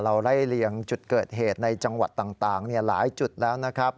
ไล่เลียงจุดเกิดเหตุในจังหวัดต่างหลายจุดแล้วนะครับ